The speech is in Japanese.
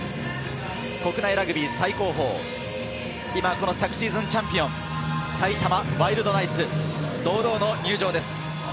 国内ラグビー最高峰、今、この昨シーズンチャンピオン、埼玉ワイルドナイツ、堂々の入場です。